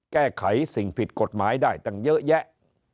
แก้ไขสิ่งผิดกฎหมายได้ตั้งเยอะแยะ